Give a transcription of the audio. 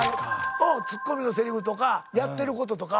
おうツッコミのせりふとかやってることとかは。